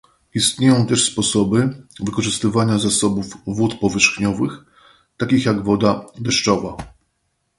Istnieją też sposoby wykorzystywania zasobów wód powierzchniowych, takich jak woda deszczowa